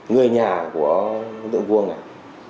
người nhà của tổ chức nguyễn thị vương này